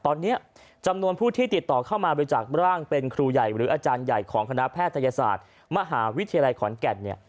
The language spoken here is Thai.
ตอนนี้จำนวนผู้ที่ติดต่อเข้ามาบริจาคร่างเป็นครูใหญ่หรืออาจารย์ใหญ่ของคณะแพทยศาสตร์มหาวิทยาลัยขอนแก่นเนี่ย